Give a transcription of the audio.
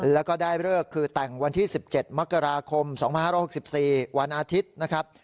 แล้วก็ได้เลิกคือแต่งวันที่๑๗มกราคม๒๕๖๔วันอาทิตย์นะครับ